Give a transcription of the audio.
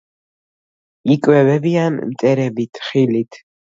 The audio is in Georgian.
იკვებებიან მწერებით, ხილით.